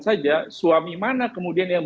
saja suami mana kemudian yang